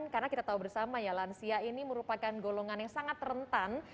karena kita tahu bersama ya lansia ini merupakan golongan yang sangat rentan